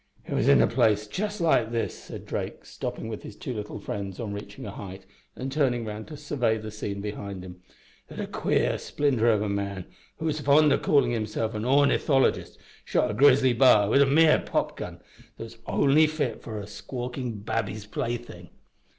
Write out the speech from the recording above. "It was in a place just like this," said Drake, stopping with his two little friends on reaching a height, and turning round to survey the scene behind him, "that a queer splinter of a man who was fond o' callin' himself an ornithologist shot a grizzly b'ar wi' a mere popgun that was only fit for a squawkin' babby's plaything."